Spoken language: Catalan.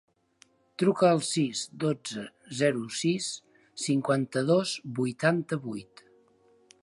Truca al sis, dotze, zero, sis, cinquanta-dos, vuitanta-vuit.